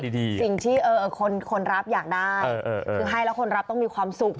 สิ่งที่คนรับอยากได้คือให้แล้วคนรับต้องมีความสุข